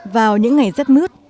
vào những ngày rất mướt